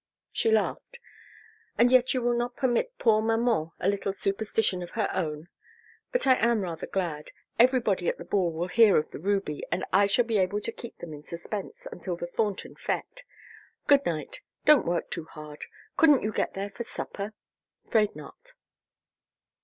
She laughed. "And yet you will not permit poor maman a little superstition of her own! But I am rather glad. Everybody at the ball will hear of the ruby, and I shall be able to keep them in suspense until the Thornton fête. Good night. Don't work too hard. Couldn't you get there for supper?" "'Fraid not."